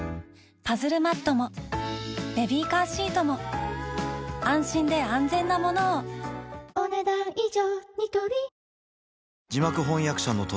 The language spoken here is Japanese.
パズルマットもベビーカーシートも安心で安全なものをお、ねだん以上。